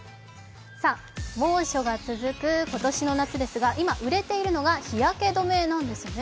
さあ、猛暑が続く今年の夏ですが、今売れているのが日焼け止めなんですね。